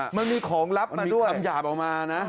มันมีของลับมาด้วยคำหยาบออกมานะ